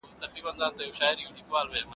که تنوع موجوده وي نو ټولنه بډايه کېږي.